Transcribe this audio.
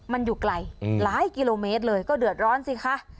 มันอยู่ไกลหลายกิโลเมตรเลยก็เดือดร้อนสิคะ